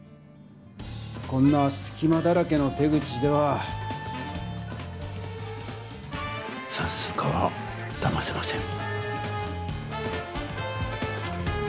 こんなすきまだらけの手口ではさんすう課はだませません！